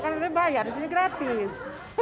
kan ada yang bayar di sini gratis